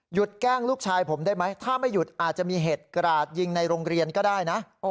แกล้งลูกชายผมได้ไหมถ้าไม่หยุดอาจจะมีเหตุกราดยิงในโรงเรียนก็ได้นะ